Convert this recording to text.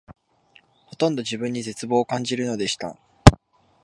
ほとんど自分に絶望を感じるのでした